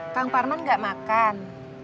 kang parman gak makan